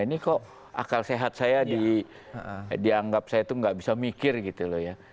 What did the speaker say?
ini kok akal sehat saya dianggap saya tuh gak bisa mikir gitu loh ya